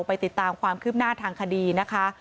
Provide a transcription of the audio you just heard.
ไปติดตามความคืบหน้าทางคดีนะคะ